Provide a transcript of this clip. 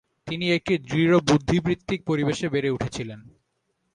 তিনি একটি দৃঢ় বুদ্ধিবৃত্তিক পরিবেশে বেড়ে উঠেছিলেন।